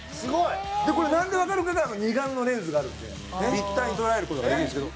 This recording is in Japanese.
これ、なんでわかるかっていったら２眼のレンズがあるので、立体に捉える事ができるんですけど。